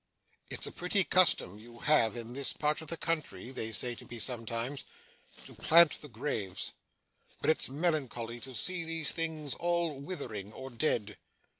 "It's a pretty custom you have in this part of the country," they say to me sometimes, "to plant the graves, but it's melancholy to see these things all withering or dead."